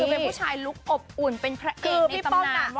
คือเป็นผู้ชายลุคอบอุ่นเป็นแคระเอกในตำนาน